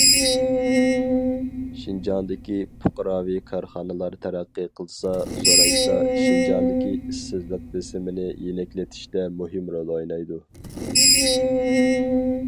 شىنجاڭدىكى پۇقراۋى كارخانىلار تەرەققىي قىلسا، زورايسا، شىنجاڭدىكى ئىشسىزلىق بېسىمىنى يېنىكلىتىشتە مۇھىم رول ئوينايدۇ.